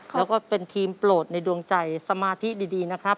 แล้วก็เป็นทีมโปรดในดวงใจสมาธิดีนะครับ